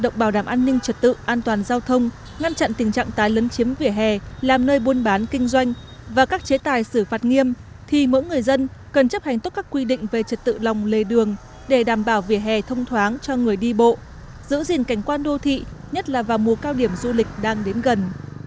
động bảo đảm an ninh trật tự an toàn giao thông ngăn chặn tình trạng tái lấn chiếm vỉa hè làm nơi buôn bán kinh doanh và các chế tài xử phạt nghiêm thì mỗi người dân cần chấp hành tốt các quy định về trật tự lòng lề đường để đảm bảo vỉa hè thông thoáng cho người đi bộ giữ gìn cảnh quan đô thị nhất là vào mùa cao điểm du lịch đang đến gần